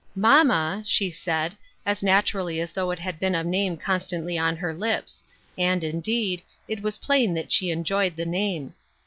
" Mamma," she said as naturally as though it had been a name constantly on her lips ; and, indeed, it was plain that she enjoyed the name.